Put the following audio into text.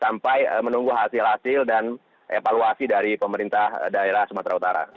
sampai menunggu hasil hasil dan evaluasi dari pemerintah daerah sumatera utara